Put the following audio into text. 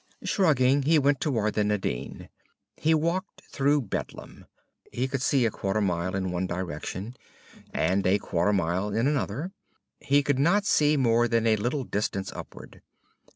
Shrugging, he went toward the Nadine. He walked through bedlam. He could see a quarter mile in one direction, and a quarter mile in another. He could not see more than a little distance upward.